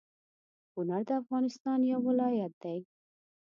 کونړ د افغانستان يو ولايت دى